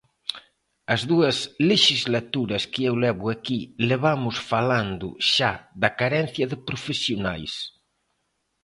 As dúas lexislaturas que eu levo aquí levamos falando xa da carencia de profesionais.